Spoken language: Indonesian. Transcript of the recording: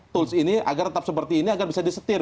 tools ini agar tetap seperti ini agar bisa disetir